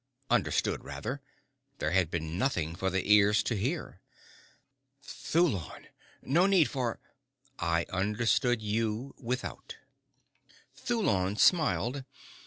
Understood, rather. There had been nothing for the ears to hear. "Thulon! No need for I understood you without " Thulon smiled.